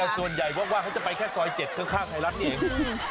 แต่ส่วนใหญ่ว่าเขาจะไปแค่ซอย๗เพื่อฆ่าใครรักนี่เอง